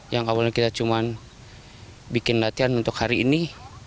yang awalnya kita cuma bikin latihan untuk hari ini